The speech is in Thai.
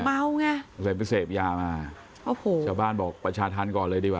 เมาไงเสพเซฟยามาชาวบ้านบอกประชาธรรมก่อนเลยดีกว่า